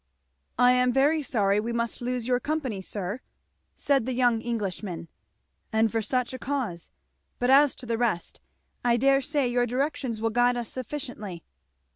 "I am very sorry we must lose your company, sir," said the young Englishman, "and for such a cause; but as to the rest! I dare say your directions will guide us sufficiently."